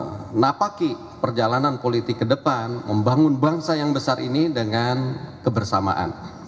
dan tentu ini menjadi sebuah modal awal untuk menapaki perjalanan politik kedepan membangun bangsa yang besar ini dengan kebersamaan